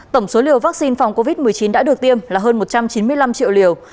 tổng số liều vaccine phòng covid một mươi chín đã được tiêm là hơn một trăm chín mươi năm triệu liều